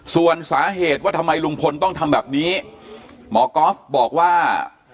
ส่วนสาเหตุว่าทำไมลุงพลต้องทำแบบนี้หมอก๊อฟบอกว่า